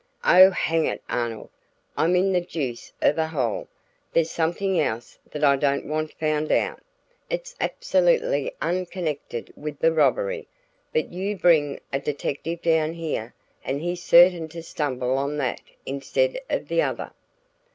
"Oh, hang it, Arnold; I'm in the deuce of a hole! There's something else that I don't want found out. It's absolutely unconnected with the robbery, but you bring a detective down here and he's certain to stumble on that instead of the other.